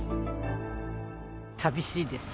寂しいです。